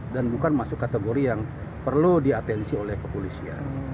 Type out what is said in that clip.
dan bukan masuk kategori yang perlu diatensi oleh kepolisian